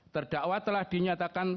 terdakwa telah dinyatakan